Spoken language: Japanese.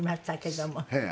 ええ。